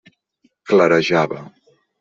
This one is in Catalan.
Clarejava.